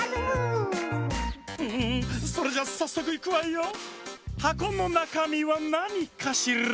んそれじゃさっそくいくわよ！はこのなかみはなにかしら？